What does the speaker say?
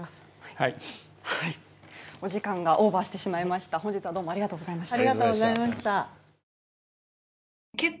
お時間がオーバーしてしまいました、本日はどうもありがとうございました。